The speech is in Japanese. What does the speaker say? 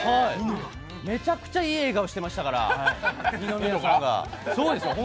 めちゃくちゃいい笑顔してましたから、二宮さんが。